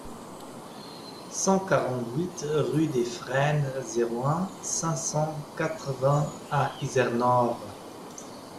cent quarante-huit rue des Frênes, zéro un, cinq cent quatre-vingts à Izernore